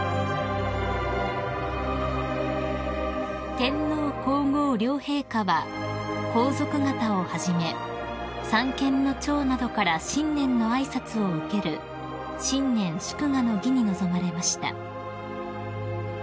［天皇皇后両陛下は皇族方をはじめ三権の長などから新年の挨拶を受ける新年祝賀の儀に臨まれました］